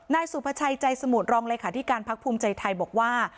นายสุภาชัยใจสมุทรรองเลขาธิการพักภูมิใจไทยบอกว่า